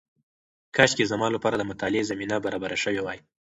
کاشکې زما لپاره د مطالعې زمینه برابره شوې وای.